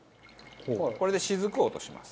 これで滴を落とします。